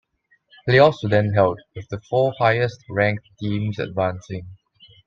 Playoffs were then held, with the four highest ranked teams advancing.